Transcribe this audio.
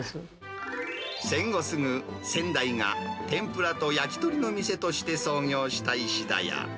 戦後すぐ、先代が、天ぷらと焼き鳥の店として創業した石田屋。